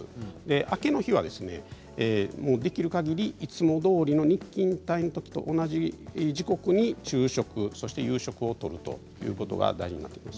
明けの日は、できるかぎりいつもどおり日勤帯と同じ時刻に昼食や夕食をとるということが大事です。